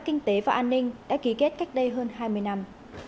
kinh tế và an ninh đã ký kết cách đây hơn hai mươi năm